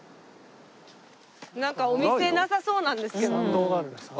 なんかお店なさそうなんですけど全然。